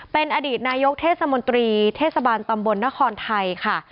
เป็นอดีตนายกเทศมนตรีเทศบาลตำบลนครไทยค่ะ